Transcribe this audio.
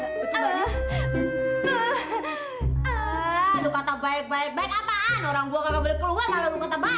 eh eh eh eh lo kata baik baik baik apaan orang buah ga boleh keluar kalo lo kata baik